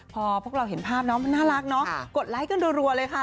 พอพวกเราเห็นภาพน้องมันน่ารักเนาะกดไลค์กันรัวเลยค่ะ